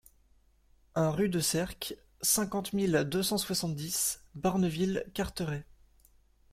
un rue de Sercq, cinquante mille deux cent soixante-dix Barneville-Carteret